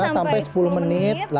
lima sampai sepuluh menit